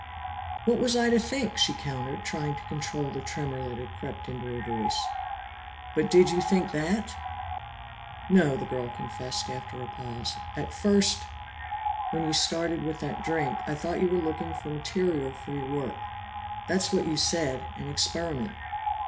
"What was I to think?" she countered, trying to control the tremor that had crept into her voice. "But did you think that?" "No," the girl confessed after a pause. "At first, when you started with that drink, I thought you were looking for material for your work. That's what you said an experiment.